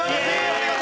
お見事！